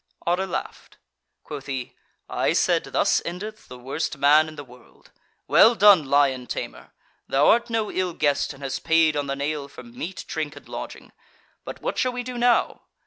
Otter laughed: Quoth he, "I said: thus endeth the worst man in the world. Well done, lion tamer! thou art no ill guest, and hast paid on the nail for meat, drink and lodging. But what shall we do now?